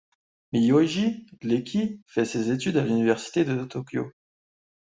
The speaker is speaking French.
Miyoji Ieki fait ses études à l'université de Tokyo.